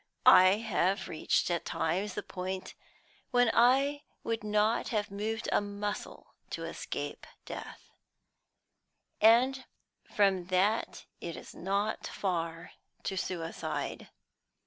I have reached at times the point when I would not have moved a muscle to escape death, and from that it is not far to suicide.